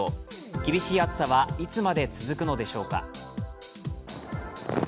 厳しい暑さはいつまで続くのでしょうか。